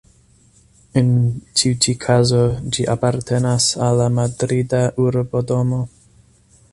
En tiu ĉi kazo ĝi apartenas al la Madrida Urbodomo.